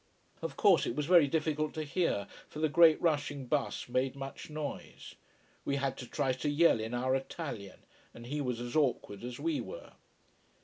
Of course it was very difficult to hear, for the great rushing bus made much noise. We had to try to yell in our Italian and he was as awkward as we were.